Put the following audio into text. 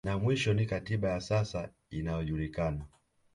Na mwisho ni katiba ya sasa inayojulikana